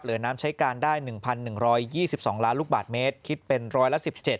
น้ำใช้การได้๑๑๒๒ล้านลูกบาทเมตรคิดเป็นร้อยละ๑๗